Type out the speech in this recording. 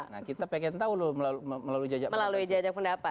nah kita pengen tahu loh melalui jajak pendapat